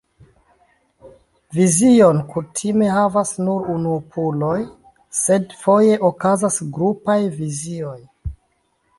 Vizion kutime havas nur unuopuloj, sed foje okazas grupaj vizioj.